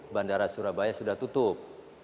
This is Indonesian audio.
bandara surabaya sudah tutup